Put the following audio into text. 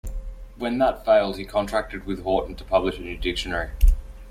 When that failed, he contracted with Houghton to publish a new dictionary.